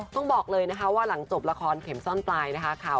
ต้องบอกเลยนะคะว่าหลังจบละครเข็มซ่อนปลายนะคะ